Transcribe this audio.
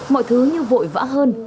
mọi thứ như vội vã hơn